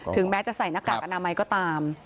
แม้จะใส่หน้ากากอนามัยก็ตาม